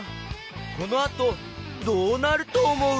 このあとどうなるとおもう？